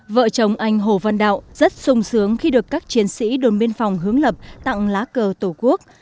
vợ chồng anh hồ văn đạo rất sung sướng khi được các chiến sĩ đồn biên phòng hướng lập tặng lá cờ tổ quốc